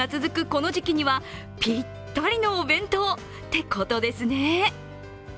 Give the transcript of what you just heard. この時期にはぴったりのお弁当ってことですね。